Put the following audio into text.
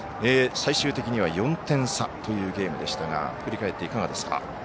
最終的には４点差というゲームでしたが振り返って、いかがですか？